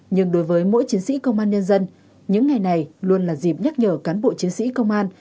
nhưng đối với mỗi chiến sĩ công an nhân dân những ngày này luôn là dịp nhắc nhở cán bộ chiến sĩ công an